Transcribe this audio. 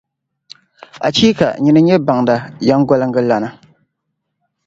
Achiika! Nyini n-nyɛ Baŋda, Yεmgoliŋgalana.